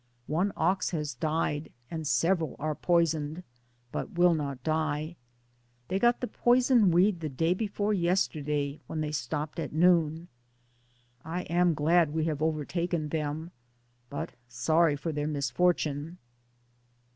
One ox has died and several are poisoned, but will not die. They got the poison weed the day before yes terday, when they stopped at noon. I am glad we have overtaken them, but sorry for their misfortune.